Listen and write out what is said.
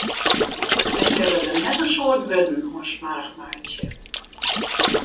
Wy sille der net in soad wurden oan smoarch meitsje.